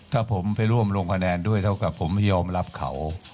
ถ้าผมไปร่วมลงคะแนนด้วยเท่ากับผมไม่ยอมรับเขา